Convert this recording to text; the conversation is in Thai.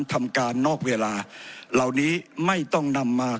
ผมจะขออนุญาตให้ท่านอาจารย์วิทยุซึ่งรู้เรื่องกฎหมายดีเป็นผู้ชี้แจงนะครับ